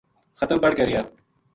ختم پڑھ کے ریہا